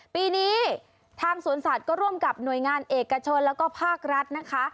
ปีนี้ทางสวนสัตว์ก็ร่วมกับหน่วยงานเอกชนแล้วก็ภาครัฐนะคะ